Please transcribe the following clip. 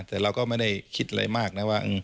แต่เราก็ไม่ได้คิดอะไรมากนะว่า